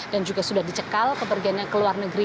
dan juga sudah dicekal ke perginya ke luar negeri